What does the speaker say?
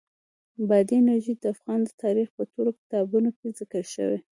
بادي انرژي د افغان تاریخ په ټولو کتابونو کې ذکر شوې.